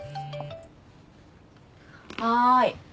はい。